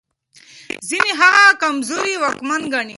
ځينې هغه کمزوری واکمن ګڼي.